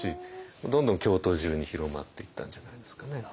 どんどん京都中に広まっていったんじゃないですかね。